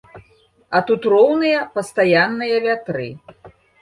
А тут роўныя, пастаянныя вятры.